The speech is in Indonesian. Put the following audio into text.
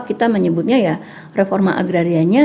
kita menyebutnya ya reforma agrarianya